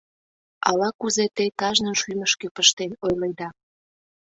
Ала-кузе те кажнын шӱмышкӧ пыштен ойледа.